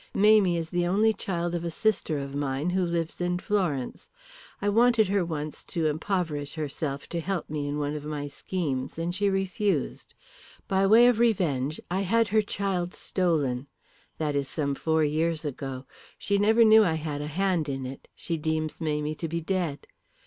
Mamie is the only child of a sister of mine who lives in Florence. I wanted her once to impoverish herself to help me in one of my schemes, and she refused. By way of revenge I had her child stolen. That is some four years ago. She never knew I had a hand in it; she deems Mamie to be dead.